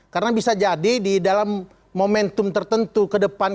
karena bisa jadi di dalam momentum tertentu ke depan